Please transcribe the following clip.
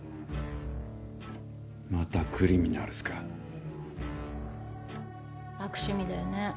またクリミナルズか悪趣味だよね